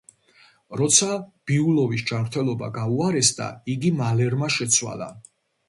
როცა ბიულოვის ჯანმრთელობა გაუარესდა, იგი მალერმა შეცვალა.